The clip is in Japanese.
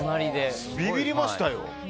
ビビりましたよ。